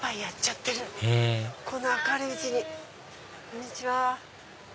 こんにちは。